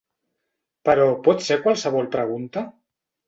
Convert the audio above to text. Però pot ser qualsevol pregunta?